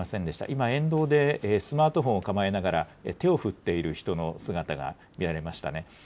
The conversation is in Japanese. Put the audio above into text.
今、沿道でスマートフォンを抱えながら、手を振っている人の姿が見られましたね。